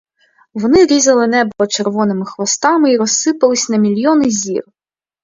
Вони різали небо червоними хвостами й розсипались на мільйони зір.